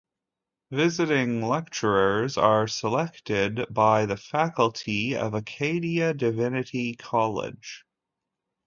Visiting lecturers are selected by the Faculty of Acadia Divinity College.